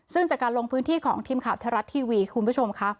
ซึ่งจากการลงพื้นที่ของทีมข่าวไทยรัฐทีวีคุณผู้ชมค่ะ